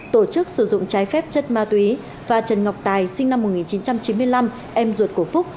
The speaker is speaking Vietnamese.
tổ chức sử dụng trái phép chất ma túy và trần ngọc tài sinh năm một nghìn chín trăm chín mươi năm em ruột của phúc